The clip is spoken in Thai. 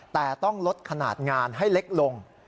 แต่ต้องลดขนาดงานให้เล็กลง